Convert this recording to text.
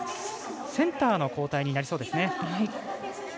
センターの交代になりそうです。